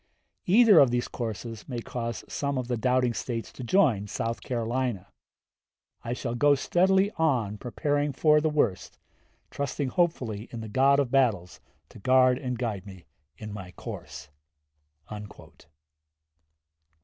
Either of these courses may cause some of the doubting States to join South Carolina. I shall go steadily on preparing for the worst, trusting hopefully in the God of battles to guard and guide me in my course."